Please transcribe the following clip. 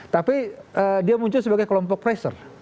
tapi dia muncul sebagai kelompok pressure